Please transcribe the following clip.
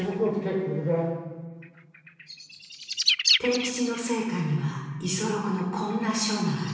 悌吉の生家には五十六のこんな書がある。